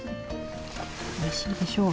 おいしいでしょう。